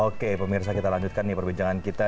oke pemirsa kita lanjutkan nih perbincangan kita